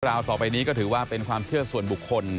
ราวต่อไปนี้ก็ถือว่าเป็นความเชื่อส่วนบุคคล